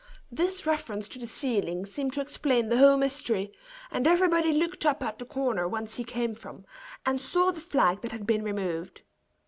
This reference to the ceiling seemed to explain the whole mystery; and everybody looked up at the corner whence he came from, and saw the flag that had been removed.